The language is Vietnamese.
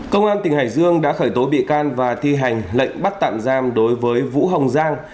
công an tỉnh hải dương đã khởi tố bị can và thi hành lệnh bắt tạm giam đối với vũ hồng giang